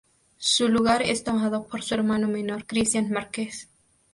Su lugar es tomado por su hermano menor, Cristián Márquez.